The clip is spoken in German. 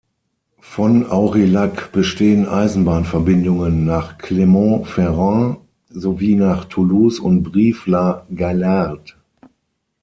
Von Aurillac bestehen Eisenbahnverbindungen nach Clermont-Ferrand sowie nach Toulouse und Brive-la-Gaillarde.